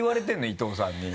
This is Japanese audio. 伊藤さんに。